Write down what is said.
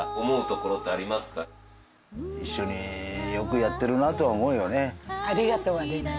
一緒によくやってるなとは思うよね。